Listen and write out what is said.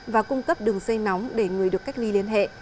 và cung cấp đường dây nóng để người được cách ly liên hệ